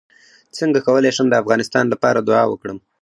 څنګه کولی شم د افغانستان لپاره دعا وکړم